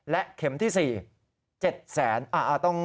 และเข็มที่๔๗แสน